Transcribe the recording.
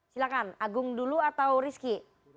silahkan agung dulu atau rizky